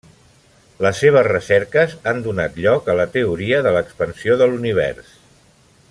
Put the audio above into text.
Les seves recerques han donat lloc a la teoria de l'expansió de l'Univers.